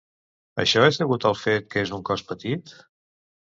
Això és degut al fet que és un cos petit?